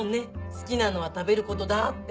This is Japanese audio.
好きなのは食べることだって。